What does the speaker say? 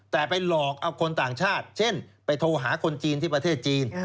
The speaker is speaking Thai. แต่ไปหลอกเอาคนต่างชาติเช่นไปโทรหาคนจีนที่ประเทศจีน